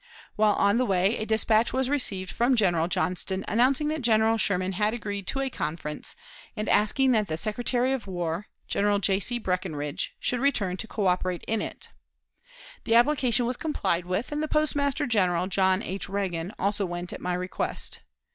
While on the way, a dispatch was received from General Johnston announcing that General Sherman had agreed to a conference, and asking that the Secretary of War, General J. C. Breckinridge, should return to coöperate in it. The application was complied with, and the Postmaster General, John H. Reagan, also went at my request.